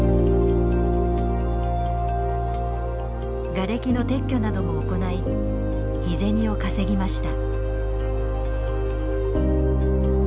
がれきの撤去なども行い日銭を稼ぎました。